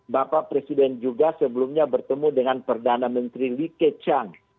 bapak presiden juga sebelumnya bertemu dengan perdana menteri like chang